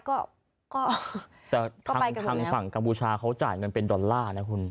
ก็ไปกันแล้วแต่ทางฝั่งกำบูชาเขาจ่ายเงินเป็นดอลลาร์นะคุณ